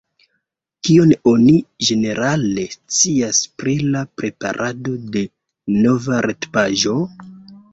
Kion oni ĝenerale scias pri la preparado de nova retpaĝo?